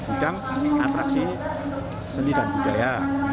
bidang atraksi seni dan budaya